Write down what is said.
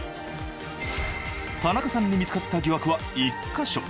田中さんに見つかった疑惑は１か所。